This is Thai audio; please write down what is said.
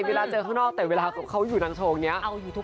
เวลาเจอข้างนอกแต่เวลาเขาอยู่นางโชว์นี้